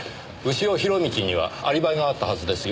潮弘道にはアリバイがあったはずですよ。